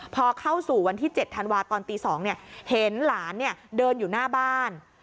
พอเข้าสู่วันที่๗ธันวาตอนตี๒เห็นหลานเดินอยู่หน้าบ้าน